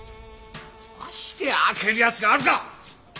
足で開けるやつがあるか！